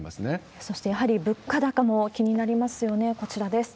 そして、やはり物価高も気になりますよね、こちらです。